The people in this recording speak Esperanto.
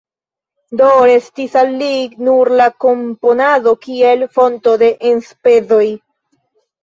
Do restis al li nur la komponado kiel fonto de enspezoj.